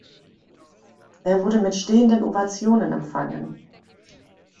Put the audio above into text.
Er wurde mit stehenden Ovationen empfangen.